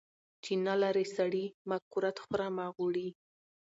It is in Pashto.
چی نلرې سړي ، مه کورت خوره مه غوړي .